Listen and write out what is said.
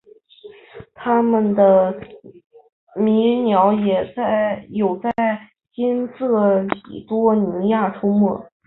它们的迷鸟也有在新喀里多尼亚出没。